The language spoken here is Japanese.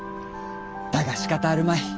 だがしかたあるまい。